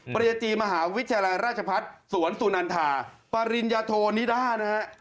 บริจิมหาวิทยาลัยราชภัฏสวนศุนันทาปริญญโธนิดาฯ